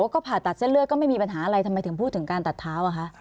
ก็ผ่าตัดเส้นเลือดก็ไม่มีปัญหาอะไรทำไมถึงพูดถึงการตัดเท้าอะคะ